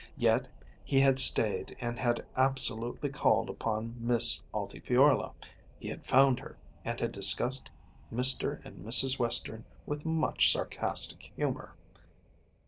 Yet he had stayed and had absolutely called upon Miss Altifiorla. He had found her and had discussed Mr. and Mrs. Western with much sarcastic humour.